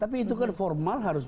tapi itu kan formal harus